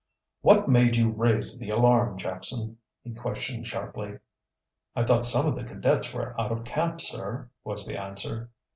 "What made you raise the alarm, Jackson?" he questioned sharply. "I thought some of the cadets were out of camp, sir," was the answer.